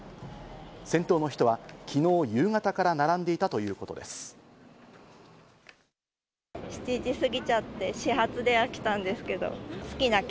先頭の人は昨日、夕方から並んでいたということです。